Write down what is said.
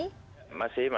masih masih masih melihat